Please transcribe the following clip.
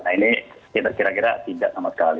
nah ini kira kira tidak sama sekali